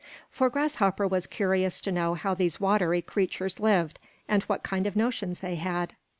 For Grasshopper was curious to know how these watery creatures lived, and what kind of notions they had.